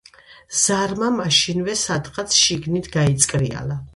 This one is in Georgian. ზარმა მაშინვე სადღაც შიგნით გაიწკრიალა.